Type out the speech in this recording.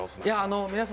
皆さん